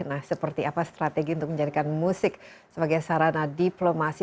nah seperti apa strategi untuk menjadikan musik sebagai sarana diplomasi